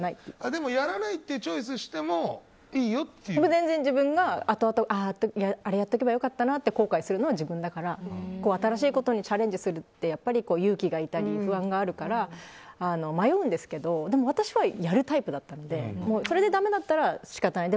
でもやらないっていうチョイスをしても自分が、後々あれやっておけば良かったなって後悔するのは自分だから新しいことにチャレンジするって勇気がいったり不安があるから迷うんですけどでも私はやるタイプだったのでそれでだめだったら仕方ない。